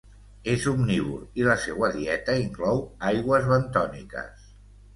És omnívor i la seua dieta inclou algues bentòniques.